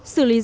sử lý rác